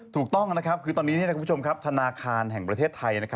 ถูกต้องนะครับคือตอนนี้ทานาคารแห่งประเทศไทย